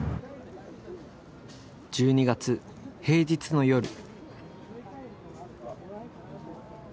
１２月平日の夜。